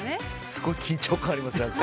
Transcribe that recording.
すごい緊張感ありますね。